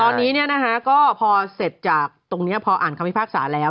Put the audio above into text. ตอนนี้ก็พอเสร็จจากตรงนี้พออ่านคำพิพากษาแล้ว